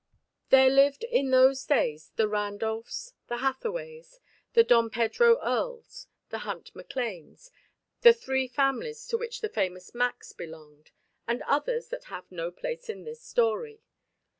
There lived, in those days, the Randolphs, the Hathaways, the Dom Pedro Earles, the Hunt McLanes, the three families to which the famous "Macs" belonged, and others that have no place in this story.